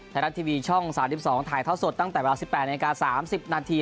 ไทยรัฐทีวีช่อง๓๒ถ่ายเท่าสดตั้งแต่เวลา๑๘นาที๓๐นาที